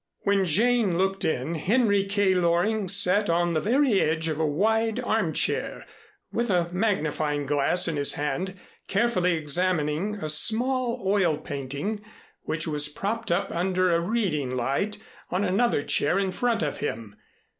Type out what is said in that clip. When Jane looked in, Henry K. Loring sat on the very edge of a wide arm chair, with a magnifying glass in his hand carefully examining a small oil painting which was propped up under a reading light on another chair in front of him.